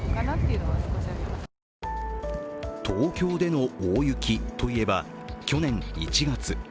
東京での大雪といえば去年１月。